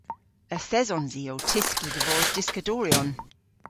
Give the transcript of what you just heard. Yth esons i ow tyski dhe vos dyskadoryon.